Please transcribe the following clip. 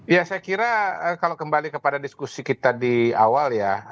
ya saya kira kalau kembali kepada diskusi kita di awal ya